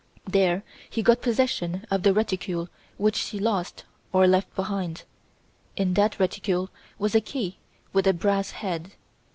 There he got possession of the reticule which she lost, or left behind. In that reticule was a key with a brass head.